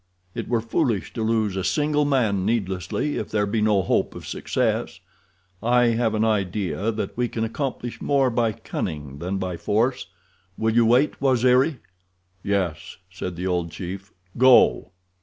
It were foolish to lose a single man needlessly if there be no hope of success. I have an idea that we can accomplish more by cunning than by force. Will you wait, Waziri?" "Yes," said the old chief. "Go!"